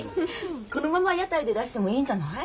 このまま屋台で出してもいいんじゃない？